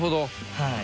はい。